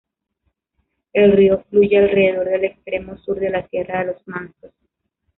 El río fluye alrededor del extremo sur de la Sierra de los Mansos.